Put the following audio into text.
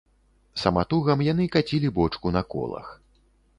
Саматугам яны кацілі бочку на колах.